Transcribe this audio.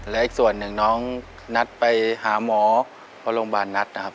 และอีกส่วนหนึ่งน้องนัดไปหาหมอเพราะโรงพยาบาลนัดนะครับ